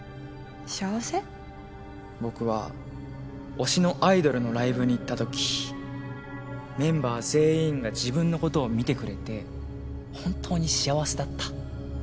僕は推しのアイドルのライブに行ったときメンバー全員が自分のことを見てくれて本当に幸せだった。